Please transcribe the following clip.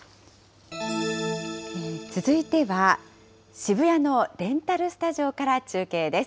続いては、渋谷のレンタルスタジオから中継です。